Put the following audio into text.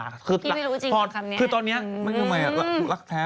พี่ไม่รู้จริงกับคำนี้อืมไม่รู้มั้ยแต่ถูกรักแท้